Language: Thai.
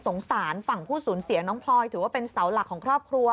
ฝั่งผู้สูญเสียน้องพลอยถือว่าเป็นเสาหลักของครอบครัว